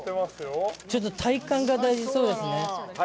ちょっと体幹が大事そうですね。